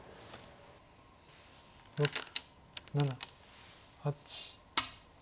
６７８。